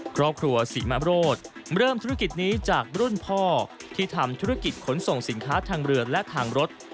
ครอบครัวศรีมโรธเริ่มธุรกิจนี้จากรุ่นพ่อที่ทำธุรกิจขนส่งสินค้าทางเรือและทางรถ